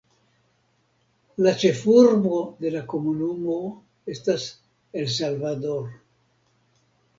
La ĉefurbo de la komunumo estas El Salvador.